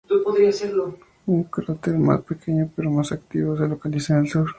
Un cráter más pequeño pero más activo se localiza en el sur.